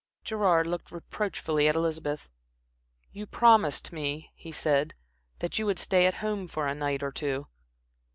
Gerard looked reproachfully at Elizabeth. "You promised me," he said, "that you would stay at home for a night or two."